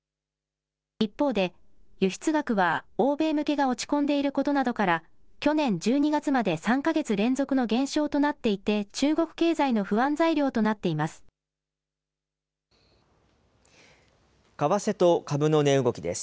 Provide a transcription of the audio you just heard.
一方で、輸出額は欧米向けが落ち込んでいることなどから、去年１２月まで３か月連続の減少となっていて、中国経済の不安材料となっています。